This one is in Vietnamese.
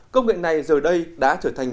công nghệ này giờ đây đã trở thành